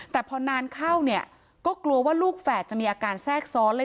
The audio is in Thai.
แต่พอนานเข้าเนี่ยก็กลัวว่าลูกแฝดจะมีอาการแทรกซ้อนเลย